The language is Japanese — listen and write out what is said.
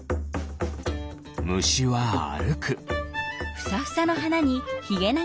むしはあるく。